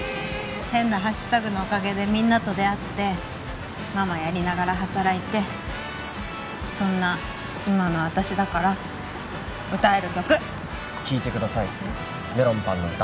変な＃のおかげでみんなと出会ってママやりながら働いてそんな今の私だから歌える曲聴いてください「メロンパンの歌」